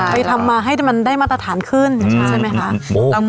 ไปทำมาให้มันได้มาตรฐานขึ้นใช่ไหมคะ